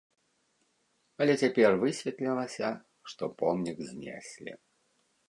Але цяпер высветлілася, што помнік знеслі.